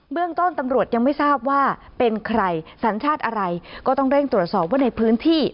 เรื่องต้นตำรวจยังไม่ทราบว่าเป็นใครสัญชาติอะไรก็ต้องเร่งตรวจสอบว่าในพื้นที่